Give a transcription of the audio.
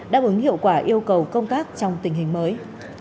đáp ứng hiệu quả yêu cầu công tác trong tình hình mới